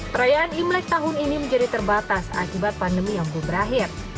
perayaan imlek tahun ini menjadi terbatas akibat pandemi yang belum berakhir